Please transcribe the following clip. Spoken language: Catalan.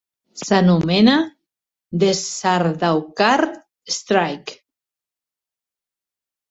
Un s'anomena "The Sardaukar Strike!".